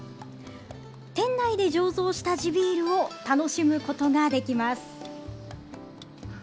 店内で醸造した地ビールを楽しむことができます。